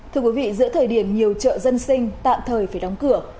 thưa quý vị giữa thời điểm nhiều chợ dân sinh tạm thời phải đóng cửa